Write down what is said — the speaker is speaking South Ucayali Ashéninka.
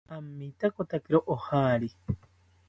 Amitakotakiro ojari